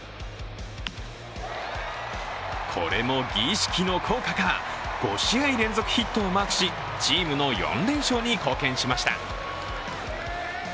これも儀式の効果か５試合連続ヒットをマークしチームの４連勝に貢献しました。